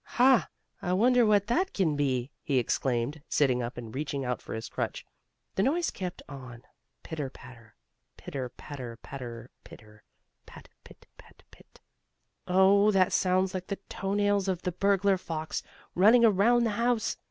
"Ha! I wonder what that can be?" he exclaimed, sitting up, and reaching out for his crutch. The noise kept on, "pitter patter; pitter patter patter pitter; pat pit pat pit." "Oh, that sounds like the toe nails of the burglar fox, running around the house!"